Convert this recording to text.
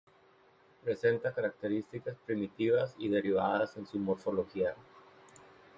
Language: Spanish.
Presenta características primitivas y derivadas en su morfología.